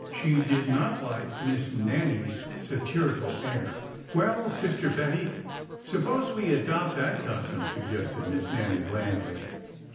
She did not like Miss Nannie's satirical air. Well, sister Bettie, suppose we adopt that custom," suggested Miss Nannie, blandly.